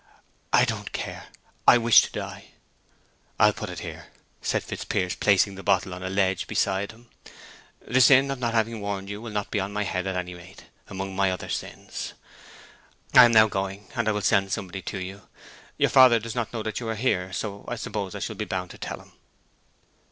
"I don't care. I wish to die." "I'll put it here," said Fitzpiers, placing the bottle on a ledge beside him. "The sin of not having warned you will not be upon my head at any rate, among my other sins. I am now going, and I will send somebody to you. Your father does not know that you are here, so I suppose I shall be bound to tell him?"